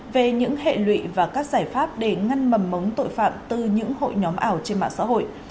về những hệ lụy và các giải pháp để ngăn mầm móng tội phạm từ những hội nhóm ảo trên mạng xã hội